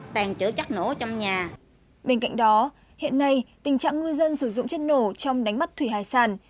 bên cạnh đó hiện nay tình trạng ngư dân sử dụng chất nổ trong đánh bắt thủy hải sản